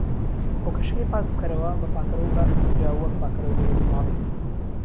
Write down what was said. ڕوکەشەکەی پاک بکەرەوە بە پاکەرەوەی باش و گونجاو، وەک پاکەرەوەی بەهێزی ماڵی.